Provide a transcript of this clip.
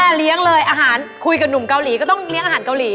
เลี้ยงเลยอาหารคุยกับหนุ่มเกาหลีก็ต้องเลี้ยงอาหารเกาหลี